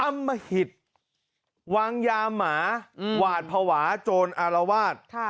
อมหิตวางยาหมาหวาดภาวะโจรอรวาส